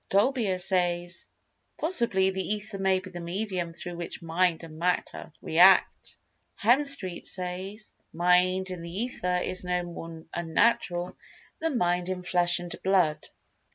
Dolbear says: "Possibly the Ether may be the medium through which Mind and Matter react." Hemstreet says: "Mind in the Ether is no more unnatural than Mind in flesh and blood."